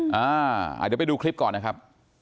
เดี๋ยวไปดูคลิปก่อนนะครับ